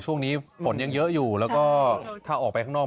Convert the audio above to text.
ช่วงนี้ฝนยังเยอะอยู่แล้วก็ถ้าออกไปข้างนอก